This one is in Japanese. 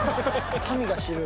神が知る。